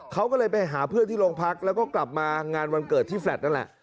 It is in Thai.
เขาก็เลยไปหาเพื่อนที่โรงพักแล้วก็กลับมางานวันเกิดที่แลต์นั่นแหละ